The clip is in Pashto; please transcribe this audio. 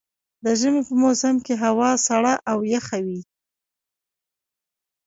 د ژمي په موسم کې هوا سړه او يخه وي.